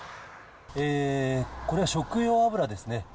これは食用油ですね。